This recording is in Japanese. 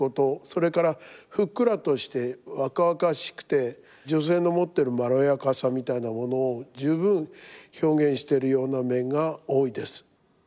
それからふっくらとして若々しくて女性の持ってるまろやかさみたいなものを十分表現してるような面が多いです。